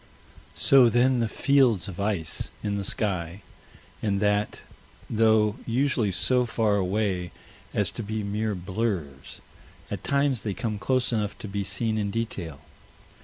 So then the fields of ice in the sky, and that, though usually so far away as to be mere blurs, at times they come close enough to be seen in detail.